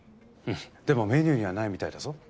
うんでもメニューにはないみたいだぞ。